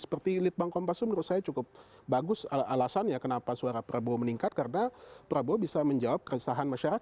seperti litbang kompas itu menurut saya cukup bagus alasannya kenapa suara prabowo meningkat karena prabowo bisa menjawab keresahan masyarakat